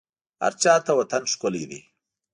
هرچا ته وطن ښکلی دی